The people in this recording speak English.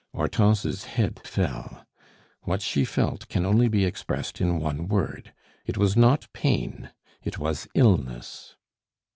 Hortense's head fell. What she felt can only be expressed in one word; it was not pain; it was illness.